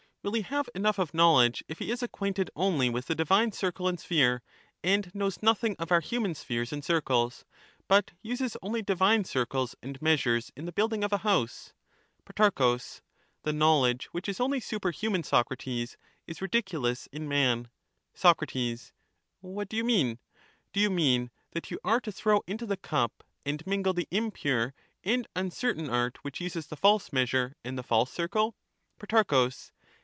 Will he have enough of knowledge if he is acquainted only with the divine circle and sphere, and knows nothing of our human spheres and circles, but uses only divine circles and measures in the building of a house ? Pro. The knowledge which is only superhuman, Socrates, is ridiculous in man. Digitized by VjOOQIC The ' meeting of the waters! 639 Soc, What do you mean ? Do you mean that you are to PhiUbus. thrpw into the cup and mingle the impure and uncertain art Socratks, which uses the false measure and the false circle ? Protarchus.